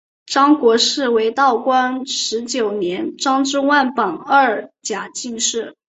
张国士为道光十九年张之万榜二甲进士。